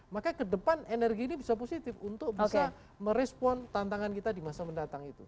maka ke depan energi ini bisa positif untuk bisa merespon tantangan kita di masa mendatang itu